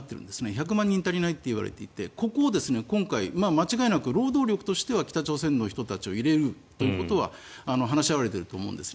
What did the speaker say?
１００万人足りないといわれていてここを今回間違いなく労働力としては北朝鮮の人たちを入れるということは話し合われていると思います。